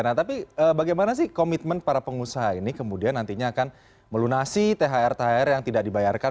nah tapi bagaimana sih komitmen para pengusaha ini kemudian nantinya akan melunasi thr thr yang tidak dibayarkan